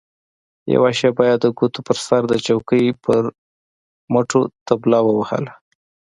يوه شېبه يې د ګوتو په سر د چوکۍ پر مټو طبله ووهله.